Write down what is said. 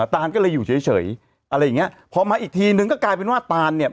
ตานก็เลยอยู่เฉยอะไรอย่างเงี้ยพอมาอีกทีนึงก็กลายเป็นว่าตานเนี่ย